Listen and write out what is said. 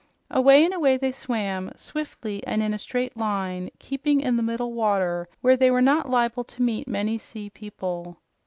Away and away they swam, swiftly and in a straight line, keeping in the middle water where they were not liable to meet many sea people.